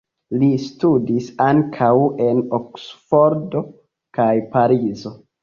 Li studis ankaŭ en Oksfordo kaj Parizo.